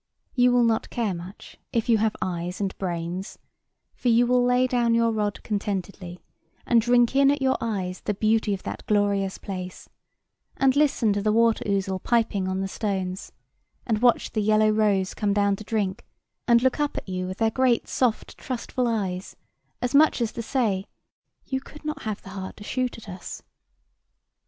You will not care much, if you have eyes and brains; for you will lay down your rod contentedly, and drink in at your eyes the beauty of that glorious place; and listen to the water ouzel piping on the stones, and watch the yellow roes come down to drink and look up at you with their great soft trustful eyes, as much as to say, "You could not have the heart to shoot at us?"